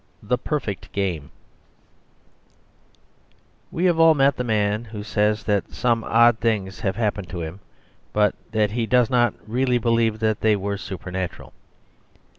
The Perfect Game We have all met the man who says that some odd things have happened to him, but that he does not really believe that they were supernatural.